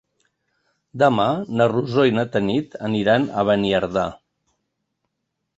Demà na Rosó i na Tanit aniran a Beniardà.